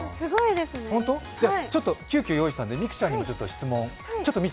急きょ、用意したので美空ちゃんにも質問。